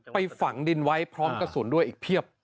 ฝังดินไว้พร้อมกระสุนด้วยอีกเพียบ